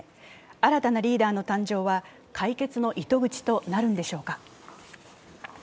新たなリーダーの誕生は解決の糸口となるのでしょうか。